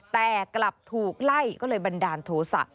แต่กลับถูกไล่ก็เลยบันดาลโทษะ